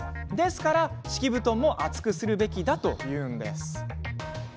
だから敷布団も厚くするべきだというんです。